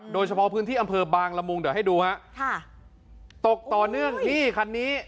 โดยเฉพาะพื้นที่อำเภอบางละมุงเดี๋ยวให้ดูฮะค่ะตกต่อเนื่องที่คันนี้